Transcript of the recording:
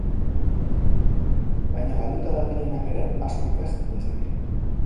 Baina galduta dabilenak ere asko ikas dezake.